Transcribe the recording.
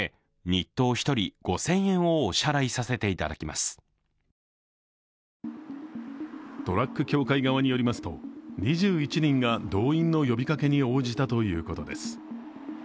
そこにはトラック協会側によりますと２１人が動員の呼びかけに応じたということです。